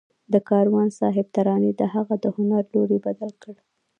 د کاروان صاحب ترانې د هغه د هنر لوری بدل کړ